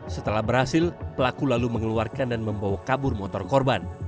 setelah berhasil pelaku lalu mengeluarkan dan membawa kabur motor korban